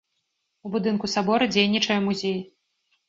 У будынку сабора дзейнічае музей.